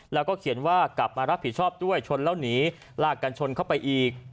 แล้วก็เขียนว่ากลับมารับผิดชอบด้วยชนแล้วหนีลากกันชนเข้าไปอีก